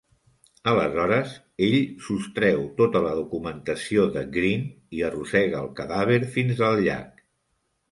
Aleshores, ell sostreu tota la documentació de Greene i arrossega el cadàver fins al llac.